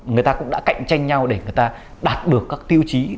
người ta cũng đã cạnh tranh nhau để đạt được các tiêu chí